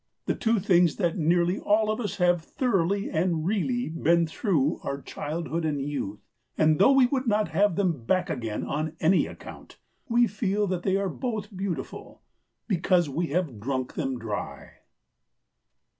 The two things that nearly all of us have thoroughly and really been through are childhood and youth. And though we would not have them back again on any account, we feel that they are both beautiful, because we have drunk them dry.